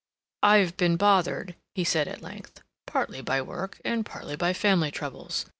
"I've been bothered," he said at length. "Partly by work, and partly by family troubles.